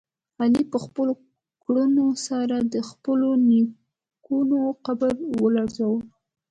علي په خپلو کړنو سره د خپلو نیکونو قبرونه ولړزول.